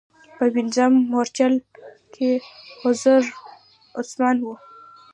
په پنځم مورچل کې حضرت عثمان و.